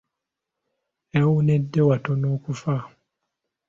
Yawonedde watono okufa.